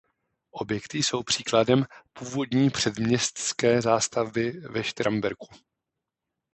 Objekty jsou příkladem původní předměstské zástavby ve Štramberku.